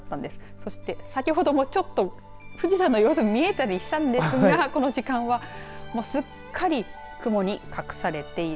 そして先ほどもちょっと富士山の様子見えたりしたんですがこの時間はすっかり雲に隠されている。